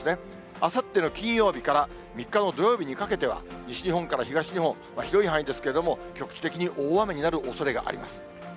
あさっての金曜日から３日の土曜日にかけては、西日本から東日本、広い範囲ですけれども、局地的に大雨になるおそれがあります。